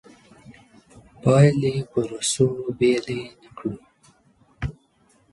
پایلې پروسو بېلې نه کړو.